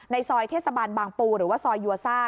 ในสอยเทศบาลบางปูหรือว่าสอยโยาซา